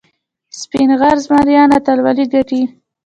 سپین غر زمریان اتلولي ګټي.